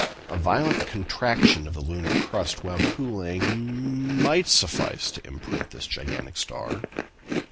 A violent contraction of the lunar crust, while cooling, might suffice to imprint this gigantic star."